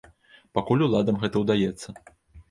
Пакуль уладам гэта ўдаецца.